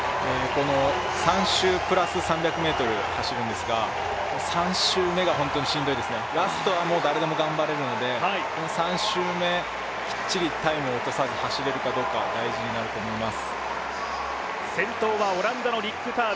この３周プラス３００ｍ走るんですが３周目が本当にしんどいですね、ラストは誰でも本当に頑張れるので３周目、きっちりタイムを落とさずに走れるかどうかが大事になると思います。